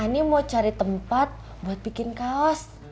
ini mau cari tempat buat bikin kaos